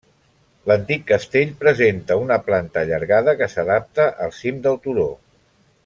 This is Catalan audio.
L'antic castell presenta una planta allargada, que s'adapta al cim del turó.